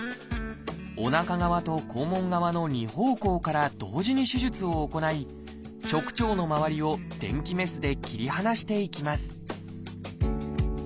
おなか側と肛門側の二方向から同時に手術を行い直腸のまわりを電気メスで切り離していきます